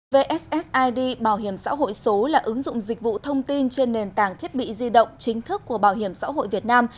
vssid bảo hiểm xã hội số là ứng dụng dịch vụ thông tin trên nền tảng thiết bị di động chính thức của bảo hiểm xã hội việt nam